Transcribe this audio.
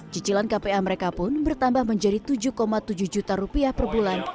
cicilan kpa mereka pun bertambah menjadi tujuh tujuh juta rupiah per bulan